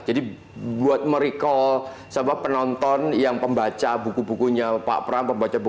jadi buat merecall sama penonton yang pembaca buku bukunya